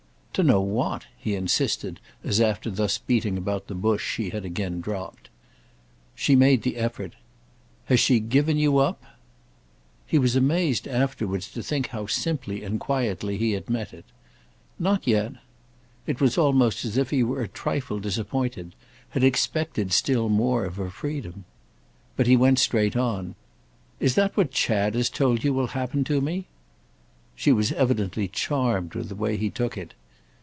"To know what?" he insisted as after thus beating about the bush she had again dropped. She made the effort. "Has she given you up?" He was amazed afterwards to think how simply and quietly he had met it. "Not yet." It was almost as if he were a trifle disappointed—had expected still more of her freedom. But he went straight on. "Is that what Chad has told you will happen to me?" She was evidently charmed with the way he took it.